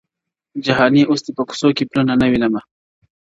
جهاني اوس دي په کوڅو کي پلونه نه وینمه -